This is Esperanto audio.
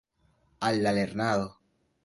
Al la lernado!